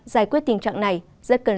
giải quyết tình trạng này rất cần